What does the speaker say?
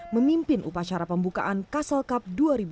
memimpin upacara pembukaan castle cup dua ribu dua puluh